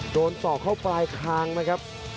โดนศอกเข้าไปค้างนะครับ